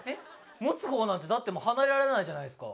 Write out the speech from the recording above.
持つ方なんてだって離れられないじゃないですか